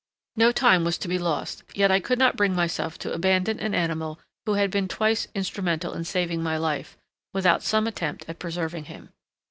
No time was to be lost, yet I could not bring myself to abandon an animal who had now been twice instrumental in saving my life, without some attempt at preserving him.